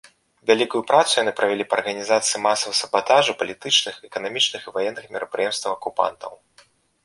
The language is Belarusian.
Вялікую працу яны правялі па арганізацыі масавага сабатажу палітычных, эканамічных і ваенных мерапрыемстваў акупантаў.